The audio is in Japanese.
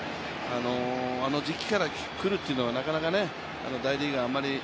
あの時期から来るというのは、なかなかね、大リーガーはあまり。